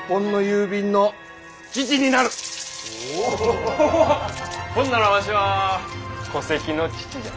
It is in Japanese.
ほんならわしは戸籍の父じゃ！